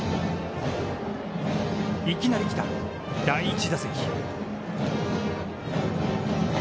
いきなり来た第１打席。